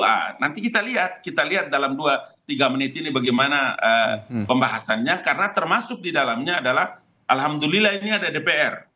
nah nanti kita lihat kita lihat dalam dua tiga menit ini bagaimana pembahasannya karena termasuk di dalamnya adalah alhamdulillah ini ada dpr